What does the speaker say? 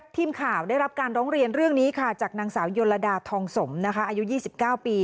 ทีมข่าวได้รับการร้องเรียนเรื่องนี้ค่ะจากนางสาวยลดาทองสมอายุ๒๙ปี